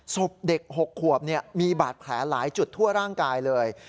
ศพเด็ก๖ขวบมีบาดแผลหลายจุดทั่วร่างกายเลย